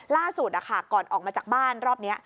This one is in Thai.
ล่าสุดก่อนออกมาจากบ้านรอบนี้